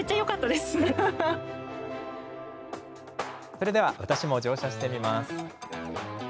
それでは私も乗車してみます。